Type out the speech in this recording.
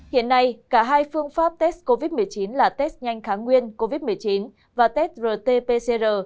hiện nay cả hai phương pháp test covid một mươi chín là test nhanh kháng nguyên covid một mươi chín và test rt pcr